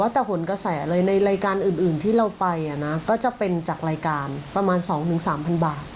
ที่เราไปนะก็จะเป็นจากรายการประมาณสองหนึ่งสามพันบาท